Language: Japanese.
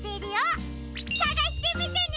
さがしてみてね！